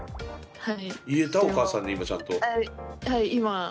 はい。